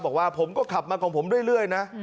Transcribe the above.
บอกว่าผมก็ขับมาของผมเรื่อยนะ